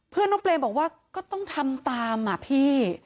เพื่อนน้องเปรมบอกว่าก็ต้องทำตามอ่ะพี่